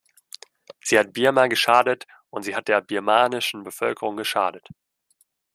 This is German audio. Sie hat Birma geschadet, und sie hat der birmanischen Bevölkerung geschadet.